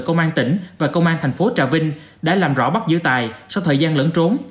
công an tỉnh và công an thành phố trà vinh đã làm rõ bắt giữ tài sau thời gian lẫn trốn